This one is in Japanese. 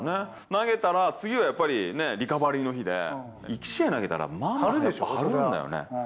投げたら、次はやっぱりリカバリーの日で、１試合投げたら、張るんだよね。